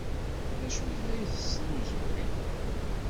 D acu ay la yesnuzuy?